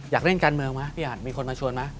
อยากเล่นการเมืองมั้ยพี่อันมีคนมาชวนมั้ย